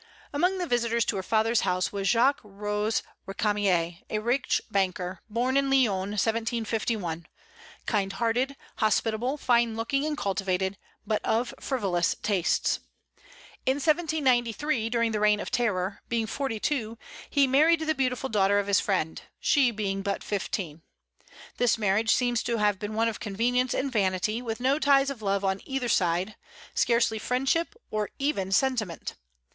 Among the visitors to her father's house was Jacques Rose Récamier, a rich banker, born in Lyons, 1751, kind hearted, hospitable, fine looking, and cultivated, but of frivolous tastes. In 1793, during the Reign of Terror, being forty two, he married the beautiful daughter of his friend, she being but fifteen. This marriage seems to have been one of convenience and vanity, with no ties of love on either side, scarcely friendship, or even sentiment.